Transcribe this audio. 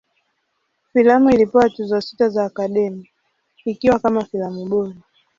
Filamu ilipewa Tuzo sita za Academy, ikiwa kama filamu bora.